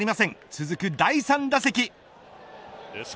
続く第３打席。